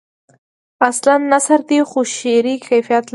اصلاً نثر دی خو شعری کیفیت لري.